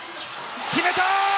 決めた！